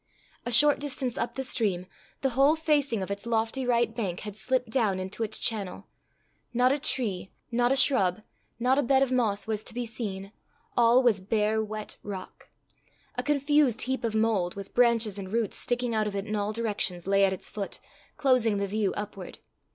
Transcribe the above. A short distance up the stream, the whole facing of its lofty right bank had slipped down into its channel. Not a tree, not a shrub, not a bed of moss was to be seen; all was bare wet rock. A confused heap of mould, with branches and roots sticking out of it in all directions, lay at its foot, closing the view upward.